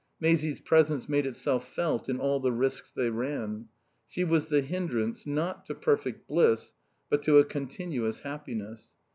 Maisie's presence made itself felt in all the risks they ran. She was the hindrance, not to perfect bliss, but to a continuous happiness.